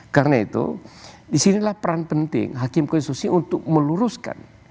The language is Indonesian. karena itu disinilah peran penting hakim konstitusi untuk meluruskan